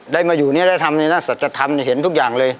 ได้มาอยู่เนี่ยได้ทำในหน้าสัจธรรมเห็นทุกอย่างเลย